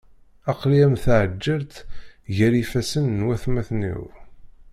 Aql-i am tɛelǧet gar yifassen n watmaten-iw.